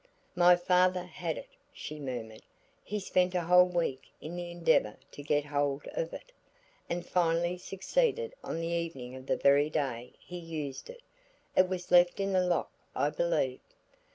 "My father had it," she murmured; "he spent a whole week in the endeavor to get hold of it, and finally succeeded on the evening of the very day he used it. It was left in the lock I believe."